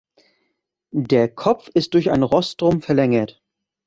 Der Kopf ist durch ein Rostrum verlängert.